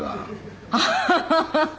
ハハハハ。